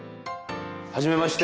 はじめまして。